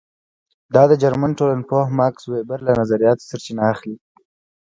دا د جرمن ټولنپوه ماکس وېبر له نظریاتو سرچینه اخلي.